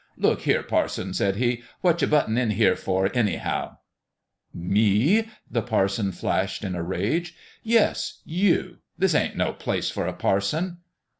" Look here, parson !" said he ;" what you buttin' in here for, anyhow ?"" Me? " the parson flashed, in a rage. " Yes you ! This ain't no place for a parson."